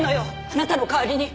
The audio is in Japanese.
あなたの代わりに。